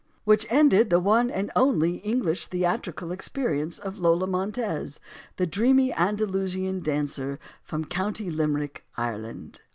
Which ended the one and only English theatrical experience of Lola Montez, the dreamy Andalusian dancer from County Limerick, Ireland.